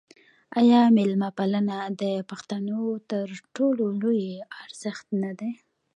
آیا میلمه پالنه د پښتنو تر ټولو لوی ارزښت نه دی؟